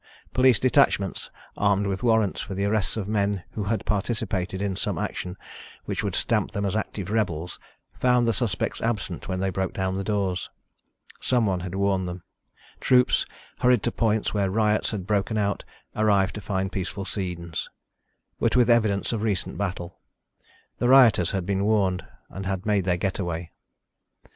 Police detachments, armed with warrants for the arrests of men who had participated in some action which would stamp them as active rebels, found the suspects absent when they broke down the doors. Someone had warned them. Troops, hurried to points where riots had broken out, arrived to find peaceful scenes, but with evidence of recent battle. The rioters had been warned, had made their getaway.